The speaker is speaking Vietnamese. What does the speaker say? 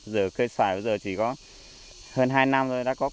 giờ cây xoài bây giờ chỉ có hơn hai năm